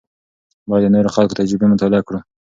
باید د نورو خلکو تجربې مطالعه کړو.